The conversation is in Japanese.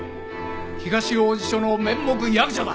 東王子署の面目躍如だ。